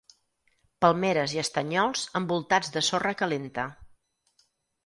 Palmeres i estanyols envoltats de sorra calenta.